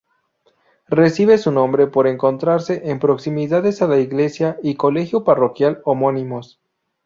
Recibe su nombre por encontrarse en proximidades a la iglesia y colegio parroquial homónimos.